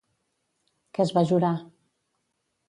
Què es va jurar?